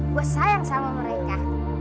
gue sayang sama mereka